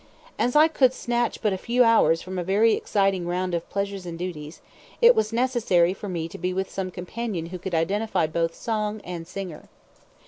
As I could snatch but a few hours from a very exciting round of pleasures and duties, it was necessary for me to be with some companion who could identify both song and singer.